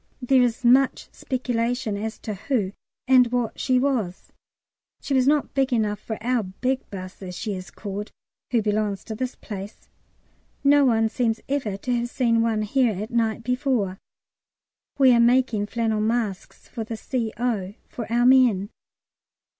There is much speculation as to who and what she was; she was not big enough for our big "'Bus," as she is called, who belongs to this place. No one seems ever to have seen one here at night before. We are making flannel masks for the C.O. for our men.